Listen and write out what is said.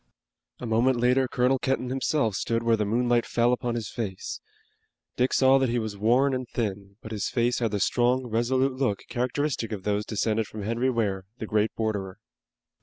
A moment later Colonel Kenton himself stood where the moonlight fell upon his face. Dick saw that he was worn and thin, but his face had the strong and resolute look characteristic of those descended from Henry Ware, the great borderer.